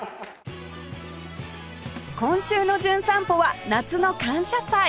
今週の『じゅん散歩』は夏の感謝祭